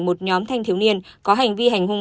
một nhóm thanh thiếu niên có hành vi hành hung